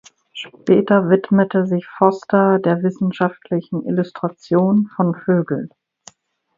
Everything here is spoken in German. Später widmete sich Foster der wissenschaftlichen Illustration von Vögeln.